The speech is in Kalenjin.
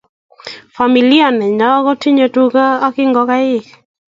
Familia nenyo kotinyei tuga ako ingokaik.